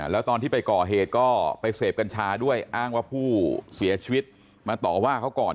แล้วตอนที่ไปก่อเหตุก็ไปเสพกัญชาด้วยอ้างว่าผู้เสียชีวิตมาต่อว่าเขาก่อน